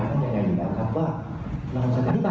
ถามว่าเหมือนกับโรคตั้งแต่จากจีน